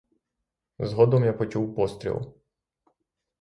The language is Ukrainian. Згодом я почув постріл.